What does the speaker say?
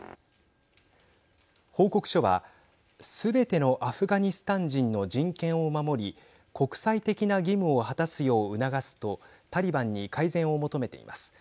報告書はすべてのアフガニスタン人の人権を守り国際的な義務を果たすよう促すとタリバンに改善を求めています。